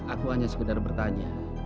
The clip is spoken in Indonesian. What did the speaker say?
aku hanya sekedar bertanya